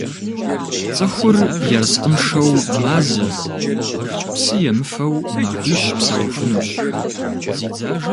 Цӏыхур ерыскъыншэу мазэ, псы емыфэу махуищ псэуфынущ.